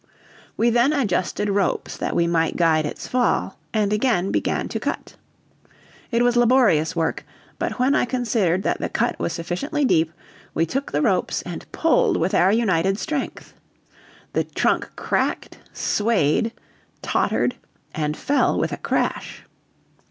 We then adjusted ropes that we might guide its fall, and again began to cut. It was laborious work, but when I considered that the cut was sufficiently deep we took the ropes and pulled with our united strength. The trunk cracked, swayed, tottered, and fell with a crash.